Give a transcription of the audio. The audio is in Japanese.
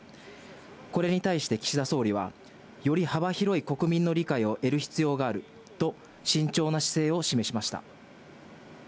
これに対して岸田総理は、より幅広い国民の理解を得る必要があると、慎重な姿勢を示しました。